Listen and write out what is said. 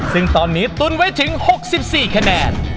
ซึ่งตอนนี้ตุ้นไว้ถึง๖๔คะแนน